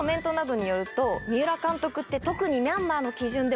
三浦監督って特に。